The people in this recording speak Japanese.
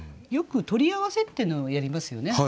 よく取り合わせっていうのをやりますよね